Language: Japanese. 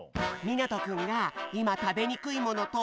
みなとくんがいま食べにくいもの